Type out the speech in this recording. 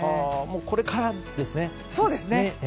これからですね。